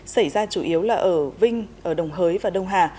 xảy ra chủ yếu là ở vinh đồng hới và đông hà